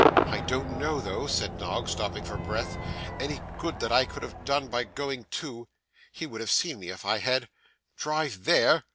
'I don't know though,' said Noggs, stopping for breath, 'any good that I could have done by going too. He would have seen me if I had. Drive THERE!